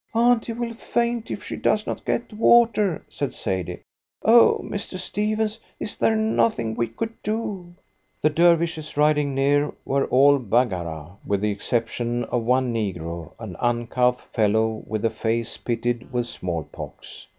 "Auntie will faint if she does not get water," said Sadie. "Oh, Mr. Stephens, is there nothing we could do?" The Dervishes riding near were all Baggara with the exception of one negro an uncouth fellow with a face pitted with small pox.